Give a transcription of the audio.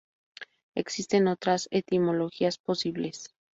Existen otras etimologías posibles.